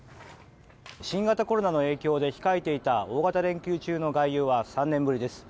新型コロナの影響で控えていた大型連休中の外遊は３年ぶりです。